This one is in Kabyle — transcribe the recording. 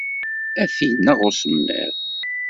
Ad t-ineɣ usemmiḍ.